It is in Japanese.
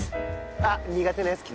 あっ苦手なやつきた。